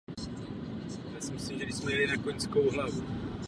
Tomu odpovídá i vnitřní vybavení budovy nejmodernější jevištní technikou.